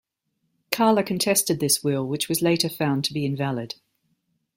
Karla contested this will which was later found to be invalid.